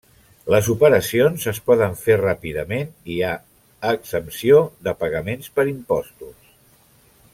Les operacions es poden fer ràpidament i hi ha exempció de pagaments per impostos.